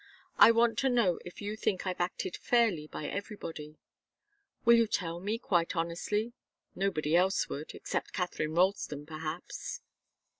I want to know if you think I've acted fairly by everybody. Will you tell me, quite honestly? Nobody else would except Katharine Ralston, perhaps."